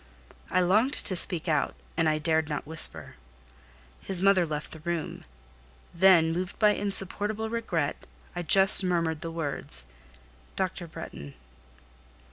I longed to speak out, and I dared not whisper. His mother left the room; then, moved by insupportable regret, I just murmured the words "Dr. Bretton."